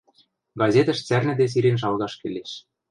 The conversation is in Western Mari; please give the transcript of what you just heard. Газетӹш цӓрнӹде сирен шалгаш келеш.